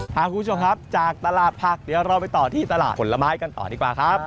คุณผู้ชมครับจากตลาดผักเดี๋ยวเราไปต่อที่ตลาดผลไม้กันต่อดีกว่าครับ